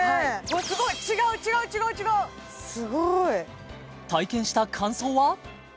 すごい違う違う違う違うすごい体験した感想は？